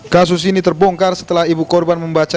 kasus ini terbongkar setelah ibu korban membaca